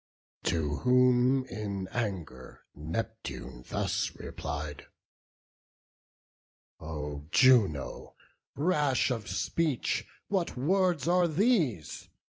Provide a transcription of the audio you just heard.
To whom, in anger, Neptune thus replied: "O Juno, rash of speech, what words are these!